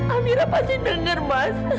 amira pasti denger mas